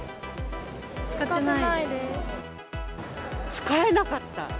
使えなかった。